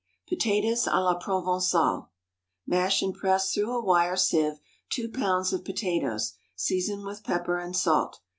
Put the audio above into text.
Potatoes à la Provençale. Mash and pass through a wire sieve two pounds of potatoes; season with pepper and salt.